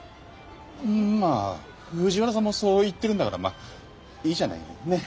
まあ藤原さんもそう言ってるんだからまっいいじゃないねっ？